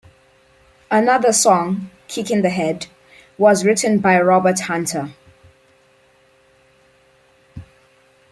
Another song, "Kick in the Head", was written by Robert Hunter.